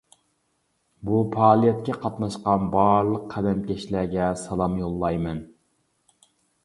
بۇ پائالىيەتكە قاتناشقان بارلىق قەلەمكەشلەرگە سالام يوللايمەن.